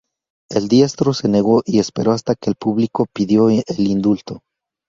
El diestro se negó y esperó hasta que el público pidió el indulto.